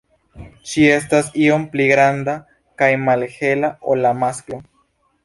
Ŝi estas iom pli granda kaj malhela ol la masklo.